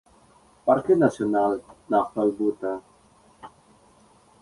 Parque Nacional Nahuelbuta